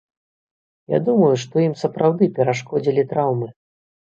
Я думаю, што ім сапраўды перашкодзілі траўмы.